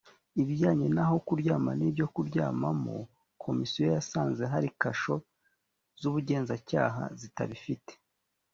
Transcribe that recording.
ibijyanye naho kuryama nibyo kuryamamo komisiyo yasanze hari kasho z ubugenzacyaha zitabifite